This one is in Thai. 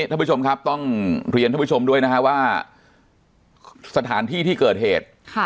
ท่านผู้ชมครับต้องเรียนท่านผู้ชมด้วยนะฮะว่าสถานที่ที่เกิดเหตุ